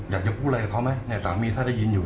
อยากจะพูดอะไรกับเขาไหมเนี่ยสามีถ้าได้ยินอยู่